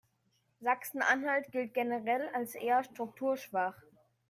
Sachsen-Anhalt gilt generell als eher strukturschwach.